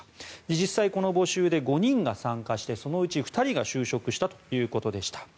実際、この募集で５人が参加してそのうち２人が就職したということでした。